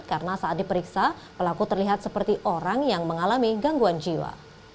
karena saat diperiksa pelaku terlihat seperti orang yang mengalami gangguan jiwa